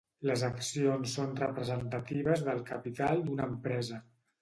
Les accions són representatives del capital d'una empresa.